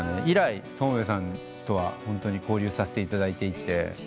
以来友部さんとは交流させていただいていて。